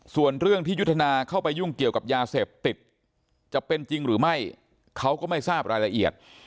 ส่วนเรื่องที่ยุทธนาเข้าไปยุ่งเกี่ยวกับยาเสพติดจะเป็นจริงหรือไม่เขาก็ไม่ทราบรายละเอียด